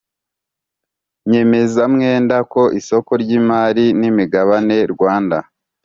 nyemezamwenda ku isoko ry imari n imigabane rwanda